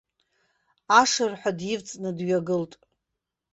Ашырҳәа дивҵны дҩагылт.